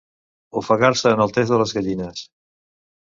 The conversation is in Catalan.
Ofegar-se en el test de les gallines.